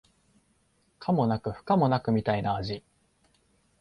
可もなく不可もなくみたいな味